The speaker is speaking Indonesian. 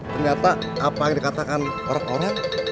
ternyata apa yang dikatakan orang orang